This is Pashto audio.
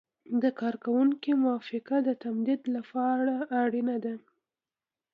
د کارکوونکي موافقه د تمدید لپاره اړینه ده.